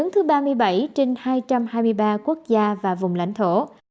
thứ ba mươi bảy trên hai trăm hai mươi ba quốc gia và vùng lãnh thổ